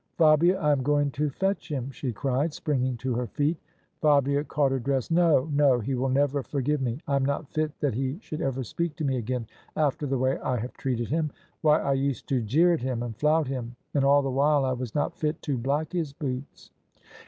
" Fabia, I'm going to fetch him," she cried, springing to her feet. Fabia caught her dress. " No, no: he will never forgive me. I'm not fit that he should ever speak to me again after the way I have treated him. Why, I used to jeer at him and flout him, and all the while I was not fit to black his boots!"